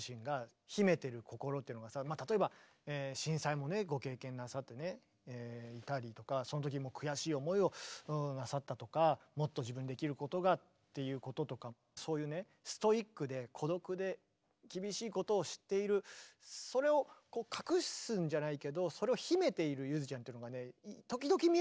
例えば震災もねご経験なさっていたりとかそのときも悔しい思いをなさったとかもっと自分にできることがっていうこととかそういうねストイックで孤独で厳しいことを知っているそれをこう隠すんじゃないけどそれを秘めているゆづちゃんというのがね時々見える気がするの。